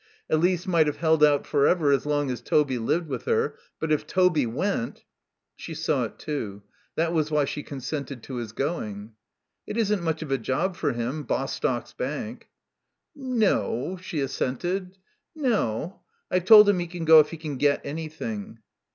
Elise might have held out for ever as long as Toby lived with her. But if Toby went She saw it too; that was why she consented to his going. "It isn't much of a job for him, Bostock's Bank." "N no," she assented, "n no. I've told him he can go if he can get anything."